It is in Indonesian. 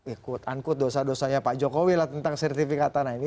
ikut ankut dosa dosanya pak jokowi lah tentang sertifikat tanah ini